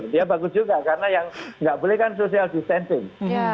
dia bagus juga karena yang nggak boleh kan social distancing